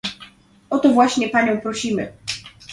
O to właśnie panią prosimy